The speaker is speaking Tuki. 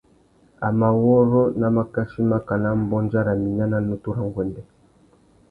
A mà wôrrô nà makachí makana mbôndia râ mina nà nutu râ nguêndê.